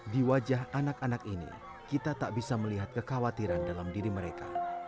di wajah anak anak ini kita tak bisa melihat kekhawatiran dalam diri mereka